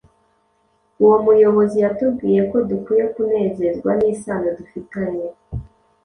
Uwo muyobozi yatubwiye ko dukwiye kunezezwa n’isano dufitanye